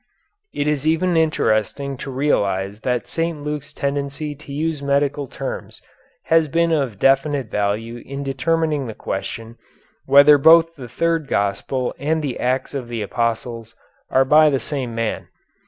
It is even interesting to realize that St. Luke's tendency to use medical terms has been of definite value in determining the question whether both the third gospel and the Acts of the Apostles are by the same man.